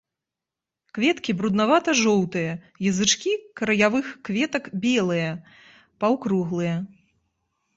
Кветкі бруднавата-жоўтыя, язычкі краявых кветак белыя, паўкруглыя.